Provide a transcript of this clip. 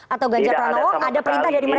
atau ganjar pranowo ada perintah dari mereka